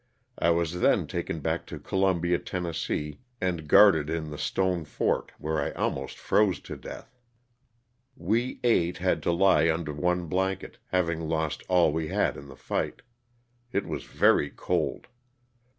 I was then taken back to Columbia, Tenn, and guarded in the stone fort, where I almost froze to death. We eight had to lie under one blanket, having lost all we had in the fight. It was very cold.